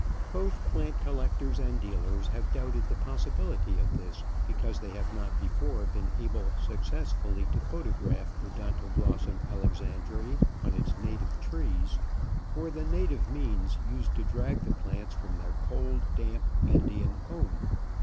Both plant collectors and dealers have doubted the possibility of this, because they have not before been able successfully to photograph Odontoglossum Alexand^^ce on its native trees, or the native means used to drag the plants from their cold, damp Andean home.